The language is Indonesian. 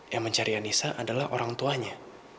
yang mencari anissa adalah orang tuanya